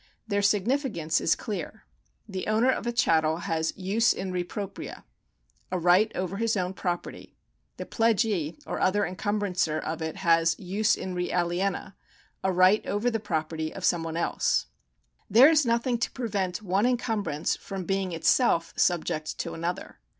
Their significance is clear. The owner of a chattel has jus in re propria — a right over his own property ; the pledgee or other encumbrancer of it has jus in re aliena — a right over the property of some one else. There is nothing to prevent one encumbrance from being itself subject to another.